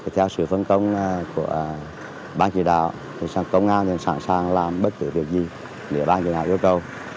theo sự phân công của bán chủ đạo công an đang sẵn sàng làm bất kỳ điều gì để bán chủ đạo yêu cầu